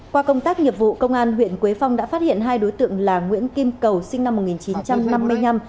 qua công tác nghiệp vụ công an huyện quế phong đã phát hiện hai đối tượng là nguyễn kim cầu sinh năm một nghìn chín trăm năm mươi năm